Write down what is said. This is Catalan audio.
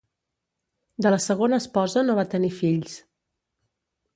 De la segona esposa no va tenir fills.